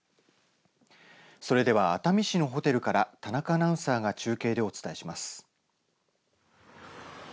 それでは熱海市のホテルから田中アナウンサーが中継でお伝えします。